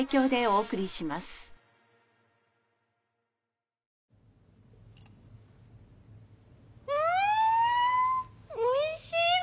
おいしい！